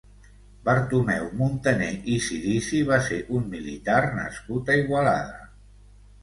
Bartomeu Muntané i Cirici va ser un militar nascut a Igualada.